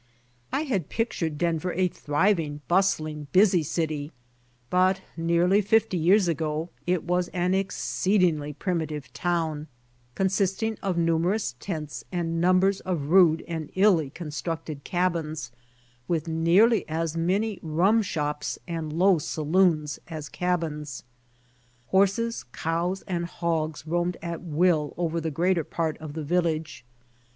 I had pictured Denver a thriving, bustling, busy city, but nearly fifty years ago it was an exceedingly primitive town, consisting of numerous tents and numbers of rude and illy constructed cabins, with nearly as many rum shops and low saloons as cabins, Horses, cows, and hogs roamed at will over the greater part of the village.